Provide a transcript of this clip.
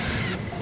あ？